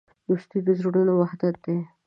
دوستي د زړونو وحدت دی.